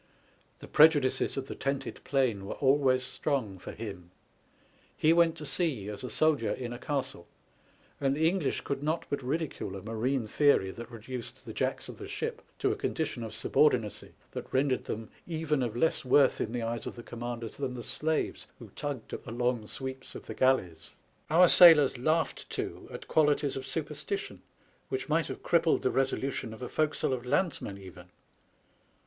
The prejudices of the tented plain were always strong for him. He went to sea as a soldier in a castle, and the English could not but ridicule a marine theory that reduced the Jacks of the ship to a condition of subordinacy that rendered them even of less worth in the eyes of the commanders than the slaves who tugged at the long sweeps of the galleys. Our sailors laughed, too, at qualities of superstition which might have crippled the resolution of a forecastle of landsmen even.